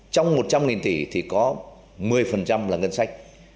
trong một trăm linh tỷ thì có một mươi là ngân sách